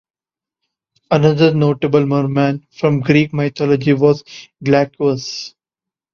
Another notable merman from Greek mythology was Glaucus.